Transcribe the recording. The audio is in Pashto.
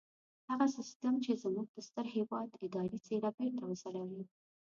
هغه سيستم چې زموږ د ستر هېواد اداري څېره بېرته وځلوي.